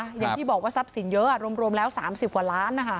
เหมือนที่บอกว่าทรัพย์สิ่งเยอะอ่ะรวมแล้ว๓๐หวันล้านนะคะ